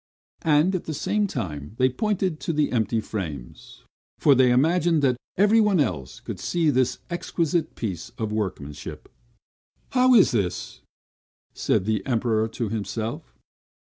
and at the same time they pointed to the empty frames; for they imagined that everyone else could see this exquisite piece of workmanship. "How is this?" said the Emperor to himself.